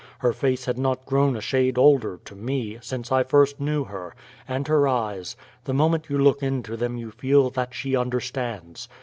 Her face had not grown a shade older, to me, since I first knew her; and her eyes the moment you look into them you feel that she understands.